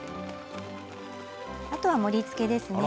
あとは盛りつけですね。